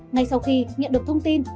ngay sau khi nhận được thông tin